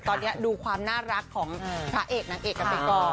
ตอนนี้ดูความน่ารักของพระเอกนางเอกกันไปก่อน